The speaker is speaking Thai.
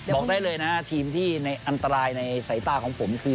บอกได้เลยนะทีมที่อันตรายในสายตาของผมคือ